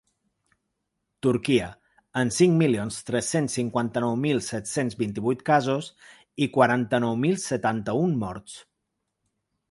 Turquia, amb cinc milions tres-cents cinquanta-nou mil set-cents vint-i-vuit casos i quaranta-nou mil setanta-un morts.